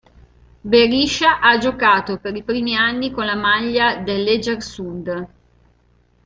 Berisha ha giocato per i primi anni con la maglia dell'Egersund.